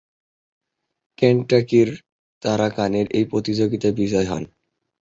কেন্টাকির তারা কনের এই প্রতিযোগিতায় বিজয়ী হন।